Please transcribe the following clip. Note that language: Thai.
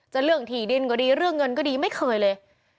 เรื่องถี่ดินก็ดีเรื่องเงินก็ดีไม่เคยเลย